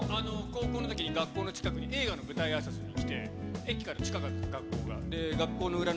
高校のときに学校の近くに映画の舞台あいさつに来て、駅から近かったんで、学校から。